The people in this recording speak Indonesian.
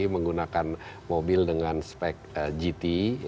menggunakan mobil dengan spek gt